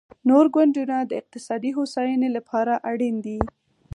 نور ګوندونه د اقتصادي هوساینې لپاره اړین دي